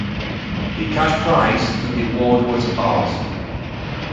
The cash prize for the award was Rs.